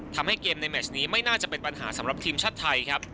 ทำให้เกมในแมชนี้ไม่น่าจะเป็นปัญหาสำหรับทีมชาติไทยครับ